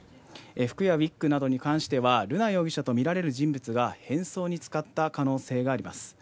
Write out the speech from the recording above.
服やウィッグなどに関しては、瑠奈容疑者と見られる人物が変装に使った可能性があります。